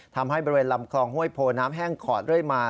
ทำให้บริเวณลำคลองห้วยโพน้ำแห้งขอดเรื่อยมา